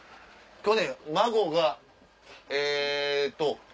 去年孫がえっと。